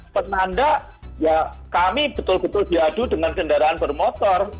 penanda ya kami betul betul diadu dengan kendaraan bermotor